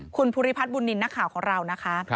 คุณภูริพัฒนบุญนินทร์นักข่าวของเรานะคะ